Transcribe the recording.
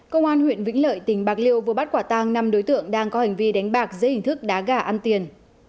công an huyện vĩnh lợi tỉnh bạc liêu vừa bắt quả tang năm đối tượng đang có hành vi đánh bạc dưới hình thức đá gà ăn tiền